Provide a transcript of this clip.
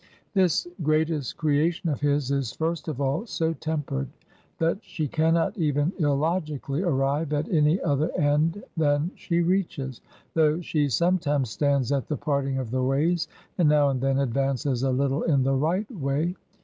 This greatest creation of his is first of all so tempered that she cannot even illogically arrive at any other end than she reaches, though she sometimes stands at the parting of the ways, and now and then advances a little in the right way.